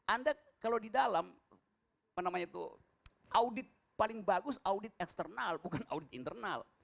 anda kalau di dalam audit paling bagus audit eksternal bukan audit internal